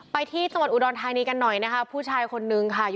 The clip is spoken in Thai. ไปที่จังหวัดอุดรธานีกันหน่อยนะคะผู้ชายคนนึงค่ะ